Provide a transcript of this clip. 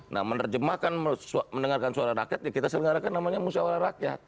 nah menerjemahkan mendengarkan suara rakyat ya kita sedengarkan namanya musra warah rakyat